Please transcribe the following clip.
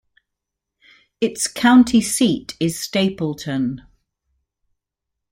Its county seat is Stapleton.